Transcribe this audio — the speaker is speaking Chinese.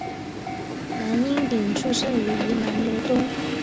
蓝荫鼎出生于宜兰罗东